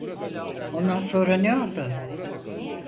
Ondan sonra ne oldu?